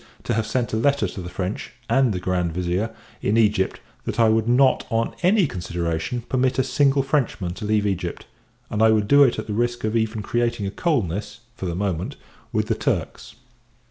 _ to have sent a letter to the French, and the Grand Vizir, in Egypt, that I would not, on any consideration, permit a single Frenchman to leave Egypt and I would do it at the risk of even creating a coldness, for the moment, with the Turks.